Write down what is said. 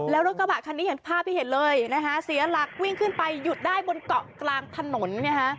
แล้วรถกระบะคันนี้อย่างภาพที่เห็นเลยนะคะเสียหลักวิ่งขึ้นไปหยุดได้บนเกาะกลางถนน